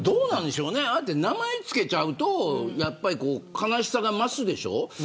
名前を付けちゃうと悲しさが増すでしょう。